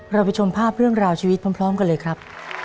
เราไปชมภาพเรื่องราวชีวิตพร้อมกันเลยครับ